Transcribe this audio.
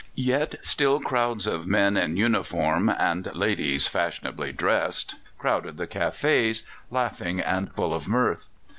Yet still crowds of men in uniform and ladies fashionably dressed crowded the cafés, laughing and full of mirth.